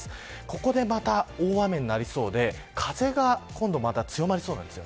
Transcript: ここでまた大雨になりそうで風がまた強まりそうなんです。